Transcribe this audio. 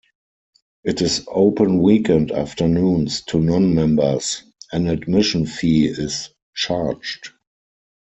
It is open weekend afternoons to non-members; an admission fee is charged.